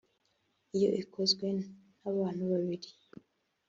iyo ikozwe n’abantu babiri